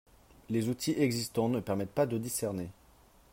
Les outils existants ne permettent pas de discerner.